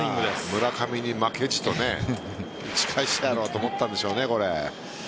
村上に負けじと打ち返してやろうと思ったんでしょうね。